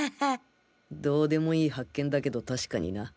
どでもいい発見だけど確かにな